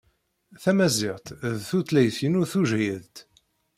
Tamaziɣt d tutlayt-inu tujhidt.